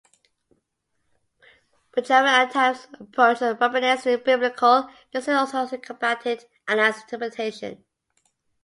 Benjamin at times approached the Rabbinites in Biblical exegesis also, and combated Anan's interpretations.